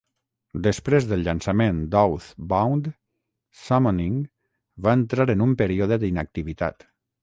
Després del llançament d'"Oath Bound", Summoning va entrar en un període d'inactivitat.